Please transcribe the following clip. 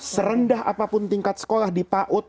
serendah apapun tingkat sekolah dipaut